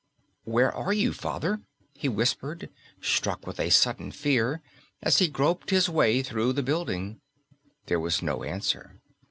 "Where are you, Father?" he whispered, struck with a sudden fear, as he groped his way through the building. There was no answer.